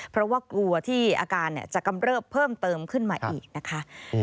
เพราะว่ากลัวที่อาการจะกำเริบเพิ่มเติมขึ้นมาอีกนะคะ